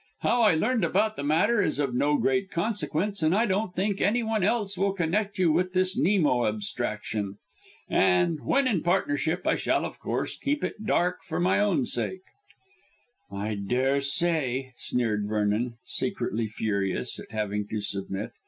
How I learned about the matter is of no great consequence, and I don't think any one else will connect you with this Nemo abstraction. And when in partnership, I shall, of course, keep it dark for my own sake." "I daresay," sneered Vernon, secretly furious at having to submit.